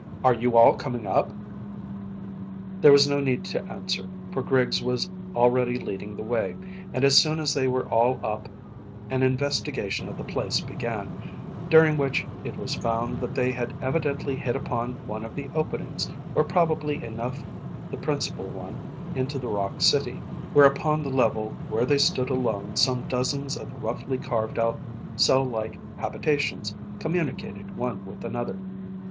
"Are you all coming up?" There was no need to answer, for Griggs was already leading the way, and as soon as they were all up an investigation of the place began, during which it was found that they had evidently hit upon one of the openings, or probably enough the principal one into the rock city, where upon the level where they stood some dozens of roughly carved out, cell like habitations communicated one with another.